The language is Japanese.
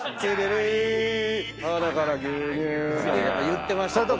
言ってましたけど。